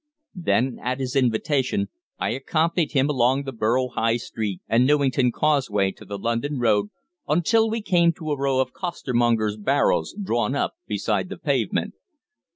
Then at his invitation I accompanied him along the Borough High Street and Newington Causeway to the London Road, until we came to a row of costermongers' barrows drawn up beside the pavement.